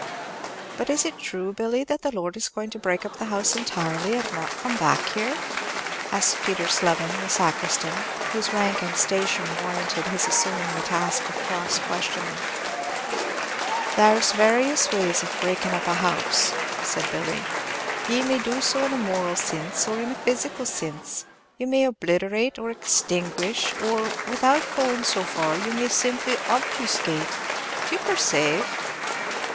"But is it true, Billy, the lord is going to break up house entirely, and not come back here?" asked Peter Slevin, the sacristan, whose rank and station warranted his assuming the task of cross questioner. "There 's various ways of breakin' up a house," said Billy. "Ye may do so in a moral sinse, or in a physical sinse; you may obliterate, or extinguish, or, without going so far, you may simply obfuscate, do you perceave?"